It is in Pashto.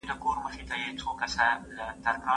رسول الله د ځيني صحابه وو ناوړه نومونه بدل کړل.